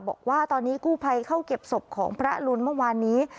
บอกว่าตอนนี้กู้ภัยเข้าเก็บศพของพระรุนเมื่อวานนี้